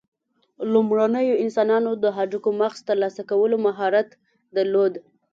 لومړنیو انسانانو د هډوکو مغز ترلاسه کولو مهارت درلود.